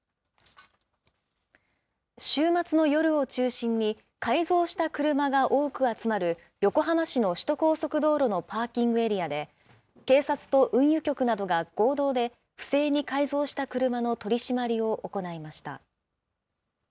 週末の夜を中心に改造した車が多く集まる、横浜市の首都高速道路のパーキングエリアで、警察と運輸局などが合同で不正に改造した車の取締りを行いました。